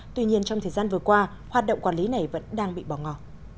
tuy nhiên trong thời gian vừa qua hoạt động quản lý này vẫn đang bị bỏ ngỏ